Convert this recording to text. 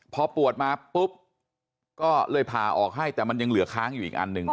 พอปวดมาปุ๊บก็เลยผ่าออกให้แต่มันยังเหลือค้างอยู่อีกอันหนึ่ง